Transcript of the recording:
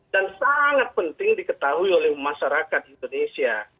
dan sangat penting diketahui oleh masyarakat indonesia